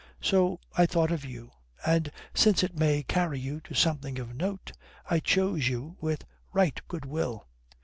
So I thought of you. And since it may carry you to something of note, I chose you with right good will."